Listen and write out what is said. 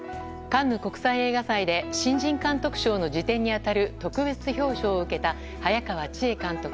カンヌ国際映画祭で新人監督賞の次点に当たる特別表彰を受けた早川千絵監督。